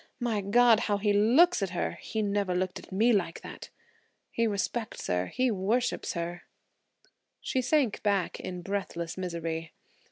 My God! how he looks at her–he never looked at me like that! He respects her; he worships her–" She sank back in breathless misery.